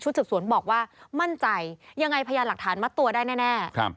สืบสวนบอกว่ามั่นใจยังไงพยานหลักฐานมัดตัวได้แน่